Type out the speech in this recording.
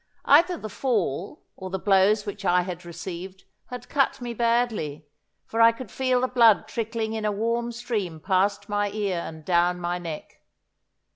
Either the fall or the blows which I had received had cut me badly, for I could feel the blood trickling in a warm stream past my ear and down my neck.